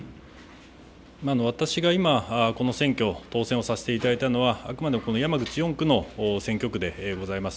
私が今この選挙、当選をさせていただいたのはあくまでもこの山口４区の選挙区でございます。